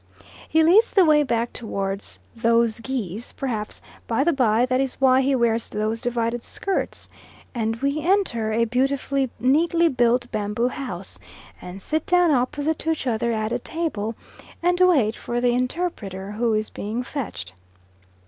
He leads the way back towards those geese perhaps, by the by, that is why he wears those divided skirts and we enter a beautifully neatly built bamboo house, and sit down opposite to each other at a table and wait for the interpreter who is being fetched.